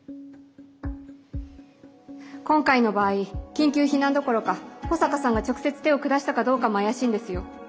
今回の場合緊急避難どころか保坂さんが直接手を下したかどうかも怪しいんですよ。